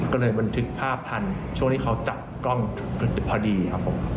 ก็เลยบันทึกภาพทันช่วงที่เขาจับกล้องพอดีครับผม